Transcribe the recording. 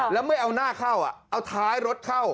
แล้วไม่เอาหน้าเข้าเอาท้ายรถเข้า